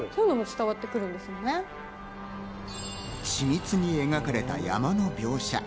緻密に描かれた山の描写。